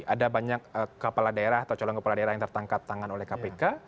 ada banyak kepala daerah atau calon kepala daerah yang tertangkap tangan oleh kpk